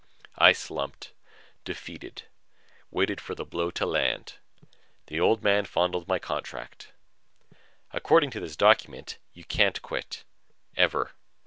I slumped, defeated, waiting for the blow to land. The Old Man fondled my contract. "According to this document, you can't quit. Ever.